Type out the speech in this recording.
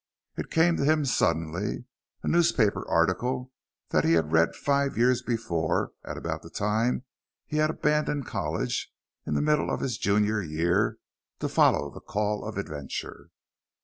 It came to him suddenly. A newspaper article that he had read five years before, at about the time he had abandoned college in the middle of his junior year, to follow the call of adventure.